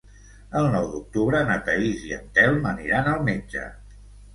El nou d'octubre na Thaís i en Telm aniran al metge.